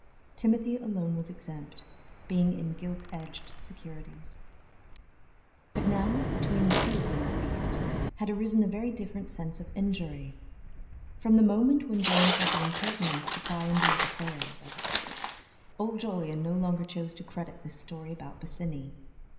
Timothy alone was exempt, being in gilt edged securities. But now, between two of them at least, had arisen a very different sense of injury. From the moment when James had the impertinence to pry into his affairs—as he put it—old Jolyon no longer chose to credit this story about Bosinney.